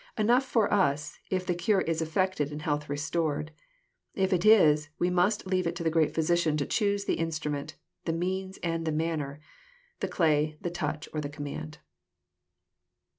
— Enough for us if the cure is effected and health restored. If it is, we must leave it to the great Physician to choose the instrument, the means, and the manner, — ^the clay, the touch, or the command.